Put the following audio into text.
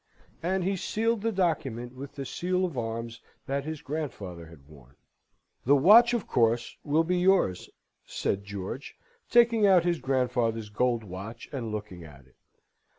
And he sealed the document with the seal of arms that his grandfather had worn. "The watch, of course, will be yours," said George, taking out his grandfather's gold watch, and looking at it.